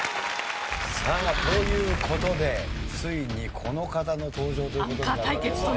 さあという事でついにこの方の登場という事に。